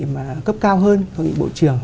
mà cấp cao hơn hội nghị bộ trưởng